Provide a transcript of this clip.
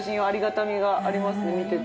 見てて。